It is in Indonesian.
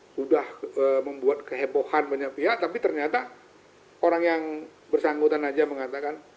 sudah membuat kehebohan banyak pihak tapi ternyata orang yang bersangkutan aja mengatakan